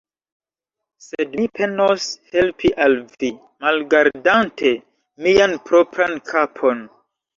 Sed mi penos helpi al vi, malgardante mian propran kapon.